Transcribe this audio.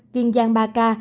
kiên giang ba ca